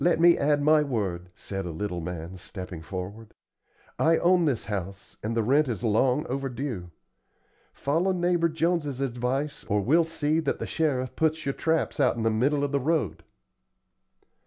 "Let me add my word," said a little man, stepping forward. "I own this house, and the rent is long overdue. Follow neighbor Jones's advice or we'll see that the sheriff puts your traps out in the middle of the road."